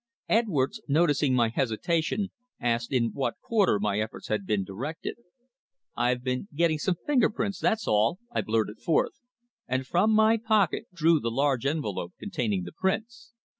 Edwards, noticing my hesitation, asked in what quarter my efforts had been directed. "I've been getting some finger prints, that's all," I blurted forth, and from my pocket drew the large envelope containing the prints.